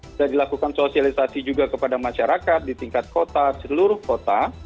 sudah dilakukan sosialisasi juga kepada masyarakat di tingkat kota seluruh kota